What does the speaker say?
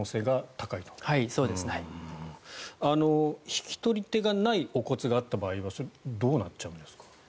引き取り手がないお骨があった場合はそれはどうなっちゃうんですか？